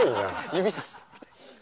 指さしてみたいな。